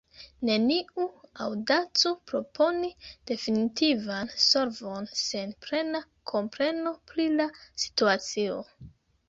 Neniu aŭdacu proponi definitivan solvon sen plena kompreno pri la situacio.